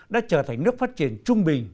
đã trở thành nước phát triển trung bình